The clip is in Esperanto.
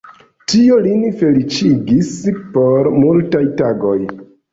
Tio lin feliĉigis por multaj tagoj.